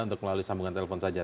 untuk melalui sambungan telepon saja